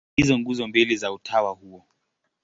Ndizo nguzo mbili za utawa huo.